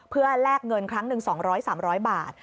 เพื่อแลกเงินครั้งหนึ่ง๒๐๐๓๐๐บาท